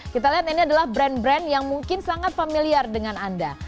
kita lihat ini adalah brand brand yang mungkin sangat familiar dengan anda